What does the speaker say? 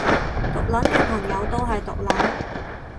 毒撚嘅朋友都係毒撚